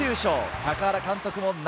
高原監督も涙。